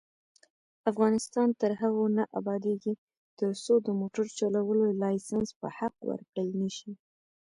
افغانستان تر هغو نه ابادیږي، ترڅو د موټر چلولو لایسنس په حق ورکړل نشي.